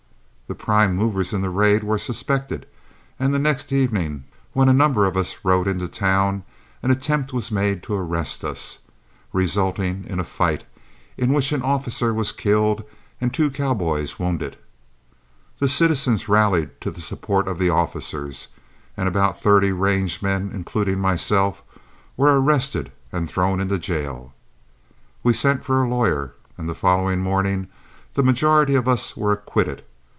The prime movers in the raid were suspected, and the next evening when a number of us rode into town an attempt was made to arrest us, resulting in a fight, in which an officer was killed and two cowboys wounded. The citizens rallied to the support of the officers, and about thirty range men, including myself, were arrested and thrown into jail. We sent for a lawyer, and the following morning the majority of us were acquitted.